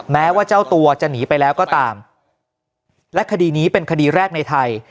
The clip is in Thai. แม้ว่าเจ้าตัวจะหนีไปแล้วก็ตามและคดีนี้เป็นคดีแรกในไทย